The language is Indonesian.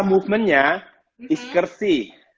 movementnya is kerci